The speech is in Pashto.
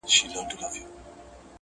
جهاني د خوب نړۍ ده پکښي ورک دی هر وګړی!.